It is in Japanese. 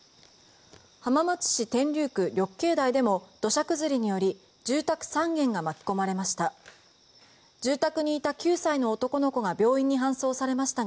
浜松市天竜区緑恵台でも土砂崩れにより住宅３軒が巻き込まれました。